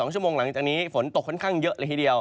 ๒ชั่วโมงหลังจากนี้ฝนตกค่อนข้างเยอะเลยทีเดียว